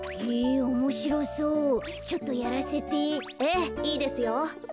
ええいいですよ。